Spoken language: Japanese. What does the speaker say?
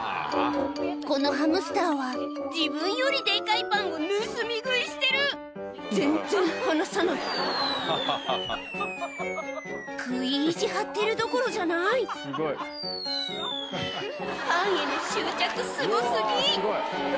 このハムスターは自分よりデカいパンを盗み食いしてる全然離さない食い意地張ってるどころじゃないパンへの執着すご過ぎ！